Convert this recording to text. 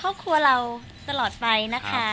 ครอบครัวเราตลอดไปนะคะ